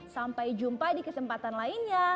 sampai jumpa di kesempatan lainnya